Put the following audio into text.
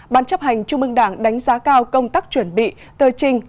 ban chấp hành trung ương đảng đánh giá cao công tác chuẩn bị tờ trình